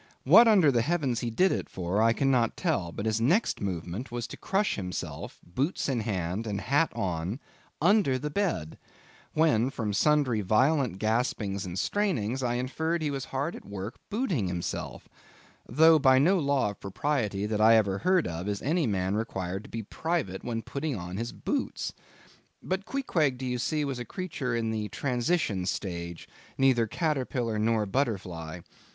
What under the heavens he did it for, I cannot tell, but his next movement was to crush himself—boots in hand, and hat on—under the bed; when, from sundry violent gaspings and strainings, I inferred he was hard at work booting himself; though by no law of propriety that I ever heard of, is any man required to be private when putting on his boots. But Queequeg, do you see, was a creature in the transition stage—neither caterpillar nor butterfly.